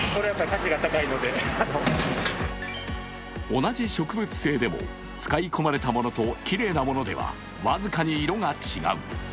同じ植物性でも使い込まれたものと、きれいなものでは僅かに色が違う。